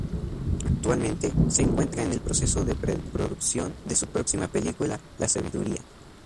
Actualmente, se encuentra en el proceso de pre-producción de su próxima película La sabiduría.